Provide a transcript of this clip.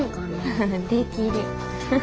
フフフできる。